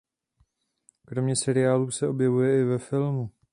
Kromě seriálů se objevuje i ve filmu.